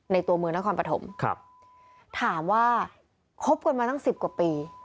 ตัวเมืองนครปฐมครับถามว่าคบกันมาตั้งสิบกว่าปี